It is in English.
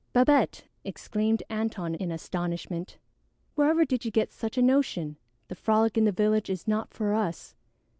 "Babette!" exclaimed Antone in astonishment. "Wherever did you get such a notion? The frolic in the village is not for us.